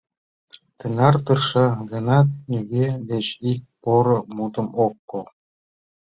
Тынар тырша гынат, нигӧ деч ик поро мутым ок кол.